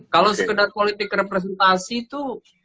kalau sekedar politik representasi itu